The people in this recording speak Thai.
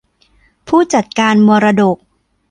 ผู้จัดการมรดก